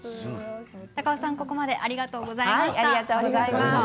高尾さん、ここまでありがとうございました。